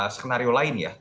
skenario lain ya